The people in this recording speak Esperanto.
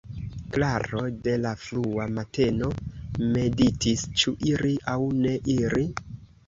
Klaro de la frua mateno meditis: ĉu iri, aŭ ne iri?